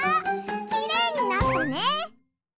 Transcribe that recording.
きれいになったね！